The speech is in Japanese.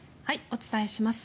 お伝えします。